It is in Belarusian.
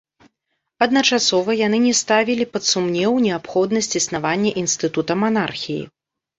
Адначасова яны не ставілі пад сумнеў неабходнасць існавання інстытута манархіі.